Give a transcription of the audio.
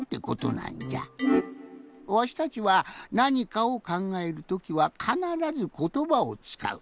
わしたちはなにかをかんがえるときはかならずことばをつかう。